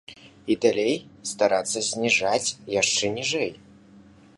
І далей старацца зніжаць яшчэ ніжэй.